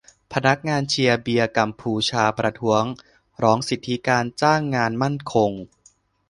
พนักงานเชียร์เบียร์กัมพูชาประท้วงร้องสิทธิการจ้างงานมั่นคง